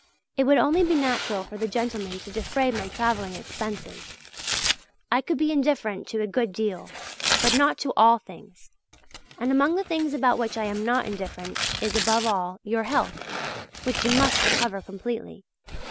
It would only be natural for the gentlemen to defray my travelling expenses. I could be indifferent to a good deal, but not to all things! And among the things about which I am not indifferent is, above all, your health, which you must recover completely.